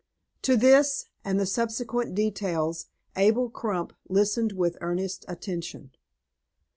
To this, and the subsequent details, Abel Crump listened with earnest attention.